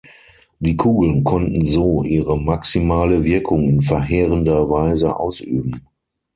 Die Kugeln konnten so ihre maximale Wirkung in verheerender Weise ausüben.